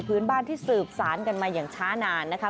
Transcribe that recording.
พื้นบ้านที่สืบสารกันมาอย่างช้านานนะคะ